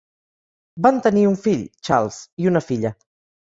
Van tenir un fill, Charles, i una filla.